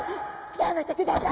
やめてください！